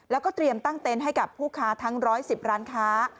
แล้วก็เตรียมตั้งเต็นต์ให้กับผู้ค้าทั้ง๑๑๐ร้านค้า